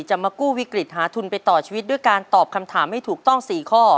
จะมากู้วิกฤตหาทุนไปต่อชีวิตด้วยการตอบคำถามให้ถูกต้อง๔ข้อ